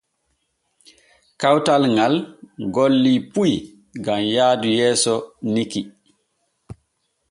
Kawtal ŋal golli puy gam yaadu yeeso nikki.